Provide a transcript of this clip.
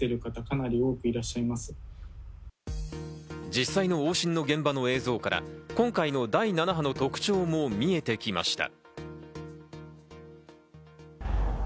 実際の往診の現場の映像から今回の第７波の特徴も見えてきました。